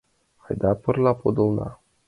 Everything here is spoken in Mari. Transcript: Айда пырля подылына.